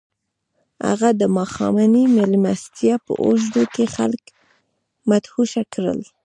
هغه د ماښامنۍ مېلمستیا په اوږدو کې خلک مدهوشه کړل